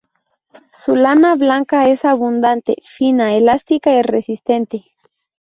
Su lana blanca es abundante, fina, elástica y resistente.